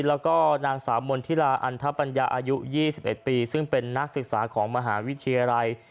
แล้วก็นางสาวมณฑิลาอันทปัญญาอายุ๒๑ปีซึ่งเป็นนักศึกษาของมหาวิทยาลัย